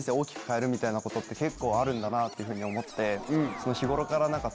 みたいなことって結構あるんだなっていうふうに思って。